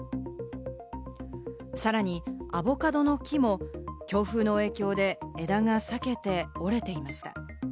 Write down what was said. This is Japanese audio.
さらにアボカドの木も強風の影響で枝がさけて折れていました。